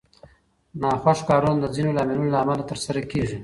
ناخوښ کارونه د ځینو لاملونو له امله ترسره کېږي.